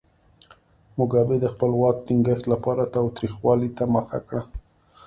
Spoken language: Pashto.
موګابي د خپل واک ټینګښت لپاره تاوتریخوالي ته مخه کړه.